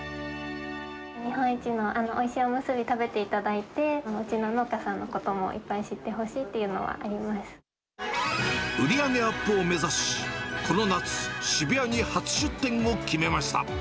日本一のおいしいおむすび食べていただいて、うちの農家さんのこともいっぱい知ってほしいと売り上げアップを目指し、この夏、渋谷に初出店を決めました。